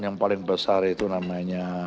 yang paling besar itu namanya